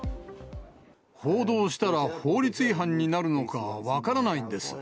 報道したら法律違反になるのか、分からないんです。